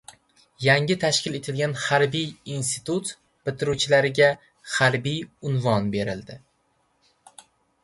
Yangi tashkil etilgan harbiy institut bitiruvchilariga harbiy unvon beriladi.